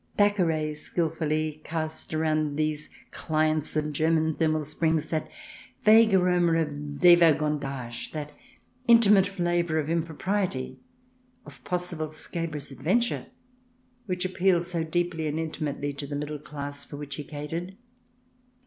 Thackeray skilfully cast around these clients of German thermal springs that vague aroma of devergondage, that intimate flavour of impropriety, of possible scabrous adventure, which appeals so deeply and intimately to the middle class for which he catered.